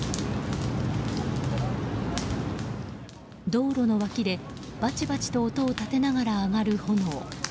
道路の脇で、バチバチと音を立てながら上がる炎。